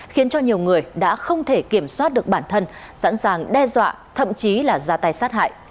khiến cho nhiều người đã không thể kiểm soát được bản thân sẵn sàng đe dọa thậm chí là ra tay sát hại